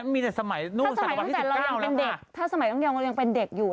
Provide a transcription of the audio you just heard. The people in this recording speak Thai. มีเด็กสมัยล่ะว่าถ้าสมัยดังเยินยังเป็นเด็กอยู่